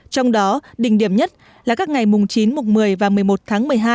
trong đó đỉnh điểm nhất là các ngày mùng chín mùng một mươi và một mươi một tháng một mươi hai